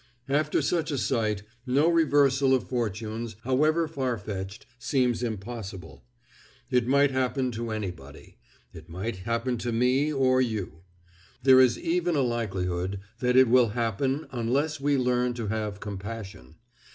After such a sight, no reversal of fortunes, however far fetched, seems impossible. It might happen to anybody. It might happen to me or you. There is even a likelihood that it will happen unless we learn to have compassion.